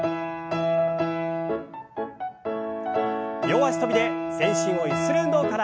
両脚跳びで全身をゆする運動から。